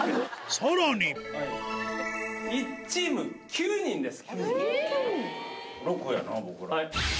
さらに１チーム９人です。